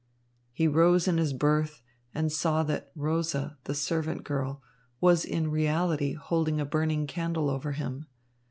He rose in his berth, and saw that Rosa, the servant girl, was in reality holding a burning candle over him.